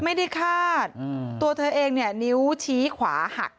ไม่ได้คาดตัวเธอเองเนี่ยนิ้วชี้ขวาหัก